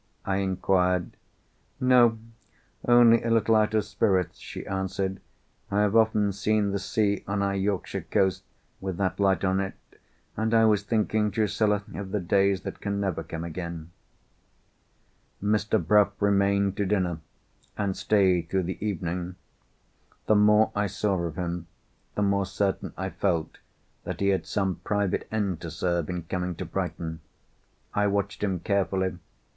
I inquired. "No. Only a little out of spirits," she answered. "I have often seen the sea, on our Yorkshire coast, with that light on it. And I was thinking, Drusilla, of the days that can never come again." Mr. Bruff remained to dinner, and stayed through the evening. The more I saw of him, the more certain I felt that he had some private end to serve in coming to Brighton. I watched him carefully.